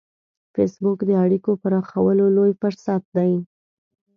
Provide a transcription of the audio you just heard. فېسبوک د اړیکو پراخولو لوی فرصت دی